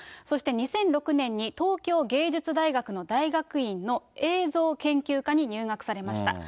そして２００６年に、東京藝術大学の大学院の映像研究科に入学されました。